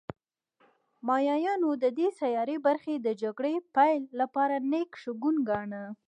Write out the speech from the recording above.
مایایانو د دې سیارې برخې د جګړې پیل لپاره نېک شګون گاڼه